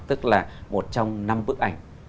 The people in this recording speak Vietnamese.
tức là một trong năm bức ảnh